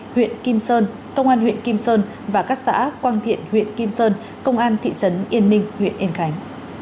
huyện kim sơn công an huyện kim sơn và các xã quang thiện huyện kim sơn công an thị trấn yên ninh huyện yên khánh